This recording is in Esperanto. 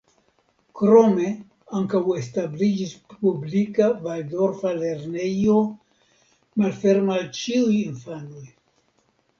Krome ankaŭ establiĝis publika valdorfa lernejo malferma al ĉiuj infanoj.